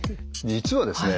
実はですね